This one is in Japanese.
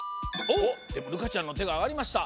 おっでもるかちゃんのてがあがりました。